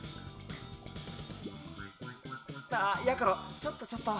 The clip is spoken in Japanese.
ちょっとちょっと。